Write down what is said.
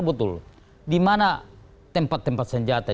betul di mana tempat tempat senjata